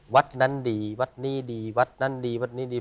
วัดนั้นดีวัดนี้ดีวัดนั้นดีวัดนี้ดี